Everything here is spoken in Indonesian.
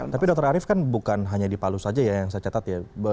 tapi dokter arief kan bukan hanya di palu saja ya yang saya catat ya